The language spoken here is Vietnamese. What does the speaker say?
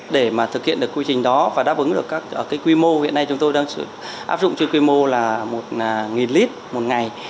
để mà thực hiện được quy trình đó và đáp ứng được các quy mô hiện nay chúng tôi đang áp dụng trên quy mô là một lít một ngày